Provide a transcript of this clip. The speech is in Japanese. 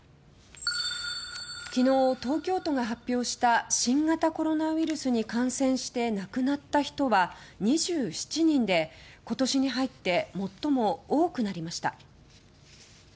昨日、東京都が発表した新型コロナウイルスに感染して亡くなった人は２７人で今年に入って最も多くなりました。